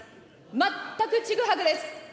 全くちぐはぐです。